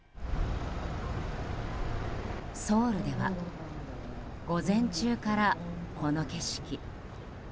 ソウルでは午前中からこの景色。